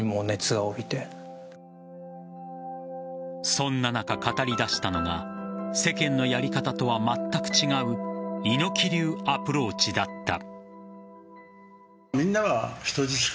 そんな中、語りだしたのが世間のやり方とはまったく違う猪木流アプローチだった。